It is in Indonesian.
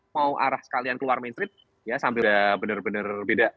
mau arah sekalian keluar main street ya sambil udah bener bener beda